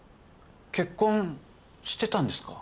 結婚してたんですか？